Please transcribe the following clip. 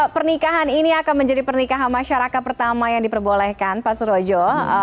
pernikahan ini akan menjadi pernikahan masyarakat pertama yang diperbolehkan pak surojo